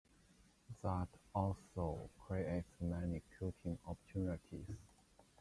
That also creates many cutting opportunities.